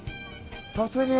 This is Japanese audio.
突入！